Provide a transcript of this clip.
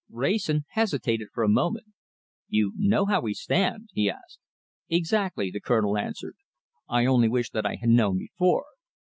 Wrayson hesitated for a moment. "You know how we stand?" he asked. "Exactly," the Colonel answered. "I only wish that I had known before.